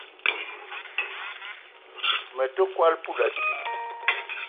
Me te kwal poulassi